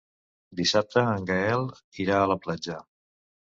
Dissabte en Gaël irà a la platja.